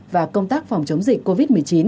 và công tác phòng chống dịch covid một mươi chín